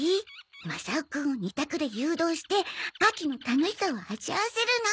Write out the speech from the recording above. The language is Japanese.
マサオくんを二択で誘導して秋の楽しさを味わわせるの！